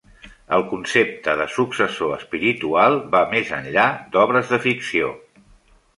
El concepte de "successor espiritual" va més enllà d'obres de ficció.